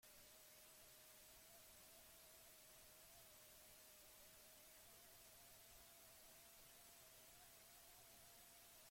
Errepikakorrak eta memoristiko hutsak diren lezioak gutxi dute pedagogikotik.